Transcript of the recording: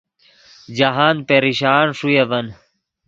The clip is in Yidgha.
جاہند پریشان ݰوئے اڤن